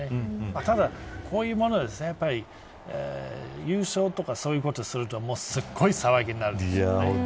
ただ、こういうものは優勝とかそういうことをするとすっごい騒ぎになりますよね。